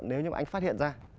nếu như anh phát hiện ra